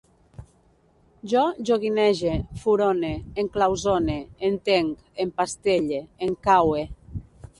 Jo joguinege, furone, enclausone, entenc, empastelle, encaue